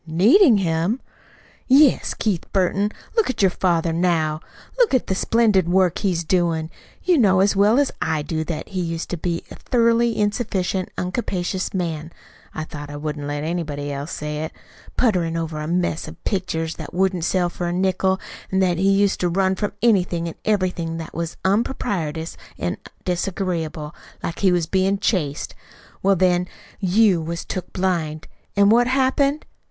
"Needing him!" "Yes. Keith Burton, look at your father now. Look at the splendid work he's doin'. You know as well as I do that he used to be a thoroughly insufficient, uncapacious man (though I wouldn't let anybody else say it!), putterin' over a mess of pictures that wouldn't sell for a nickel. An' that he used to run from anything an' everything that was unpropitious an' disagreeable, like he was bein' chased. Well, then you was took blind. An' what happened?